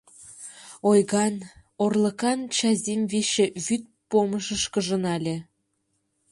Ойган, орлыкан Чазим Виче вӱд помышкыжо нале.